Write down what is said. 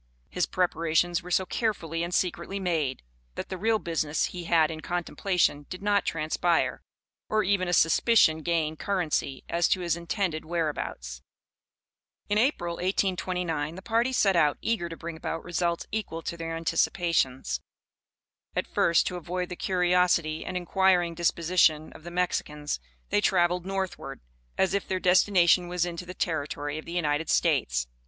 His preparations were so carefully and secretly made, that the real business he had in contemplation did not transpire, or even a suspicion gain currency as to his intended whereabouts. In April, 1829, the party set out, eager to bring about results equal to their anticipations. At first, to avoid the curiosity and inquiring disposition of the Mexicans, they traveled northward, as if their destination was into the territory of the United States.